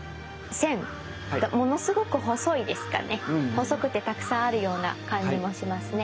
細くてたくさんあるような感じもしますね。